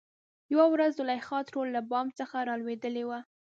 يوه ورځ زليخا ترور له بام څخه رالوېدلې وه .